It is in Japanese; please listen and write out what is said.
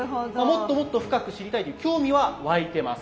もっともっと深く知りたいっていう興味は湧いてます。